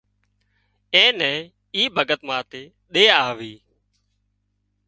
اين نين اي ڀڳت ماٿي ۮيا آوي